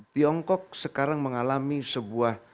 tiongkok sekarang mengalami sebuah